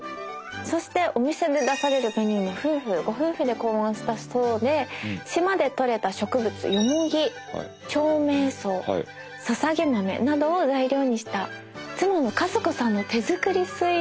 そしてお店で出されるメニューもご夫婦で考案したそうで島でとれた植物ヨモギ長命草ささげ豆などを材料にした妻の和子さんの手作りスイーツが頂けるみたいです。